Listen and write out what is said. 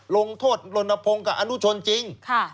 ลงโทษลนพงศ์กับอนุชนจริง